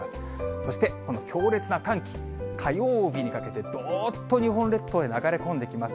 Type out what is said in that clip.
そして、この強烈な寒気、火曜日にかけてどーっと日本列島へ流れ込んできます。